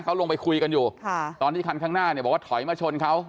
เขาลงไปคุยกันอยู่ค่ะตอนที่คันข้างหน้าเนี่ยบอกว่าถอยมาชนเขา